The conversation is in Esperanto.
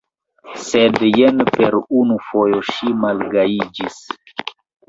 Sed jen per unu fojo ŝi malgajiĝis.